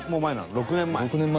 ６年前？